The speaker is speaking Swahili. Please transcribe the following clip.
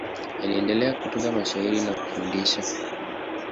Aliendelea kutunga mashairi na kufundisha.